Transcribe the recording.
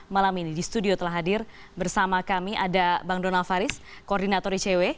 malam ini di studio telah hadir bersama kami ada bang donald faris koordinator icw